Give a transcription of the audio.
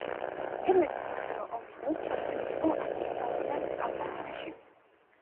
პირველი მსოფლიო ომის დროს ჩართული იყო ანტისაომარ კამპანიაში.